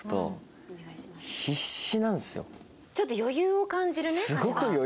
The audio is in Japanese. ちょっと余裕を感じるね彼は。はあ！